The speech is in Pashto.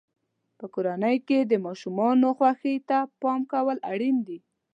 په کورنۍ کې د ماشومانو خوښۍ ته پام کول اړین دي.